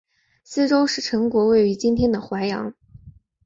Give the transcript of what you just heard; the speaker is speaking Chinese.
西周时陈国位于今天的淮阳。